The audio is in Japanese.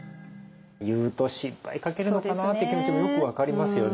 言うと心配かけるのかなって気持ちもよく分かりますよね。